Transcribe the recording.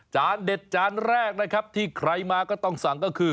เด็ดจานแรกนะครับที่ใครมาก็ต้องสั่งก็คือ